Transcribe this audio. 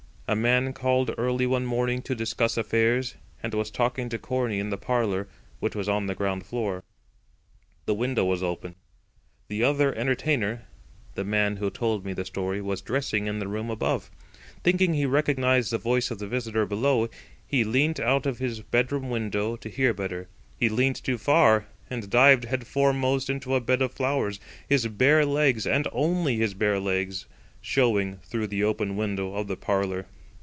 A man called early one morning to discuss affairs, and was talking to Corney in the parlour, which was on the ground floor. The window was open. The other entertainer—the man who told me the story—was dressing in the room above. Thinking he recognised the voice of the visitor below, he leant out of his bedroom window to hear better. He leant too far, and dived head foremost into a bed of flowers, his bare legs—and only his bare legs—showing through the open window of the parlour.